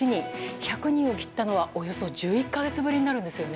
１００人を切ったのはおよそ１１か月ぶりになるんですね。